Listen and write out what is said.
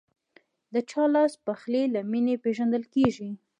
د چا لاسپخلی له مینې پیژندل کېږي.